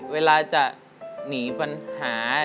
เวลาจะหนีปัญหา